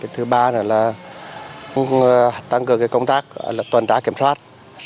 thứ ba là tăng cường công tác tuần tá kiểm soát